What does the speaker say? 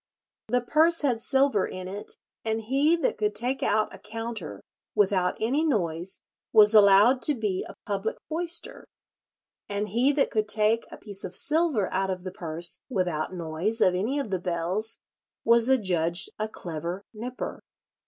The purse had silver in it, and he that could take out a counter without any noise was allowed to be a public foyster; and he that could take a piece of silver out of the purse without noise of any of the bells was adjudged a clever nypper.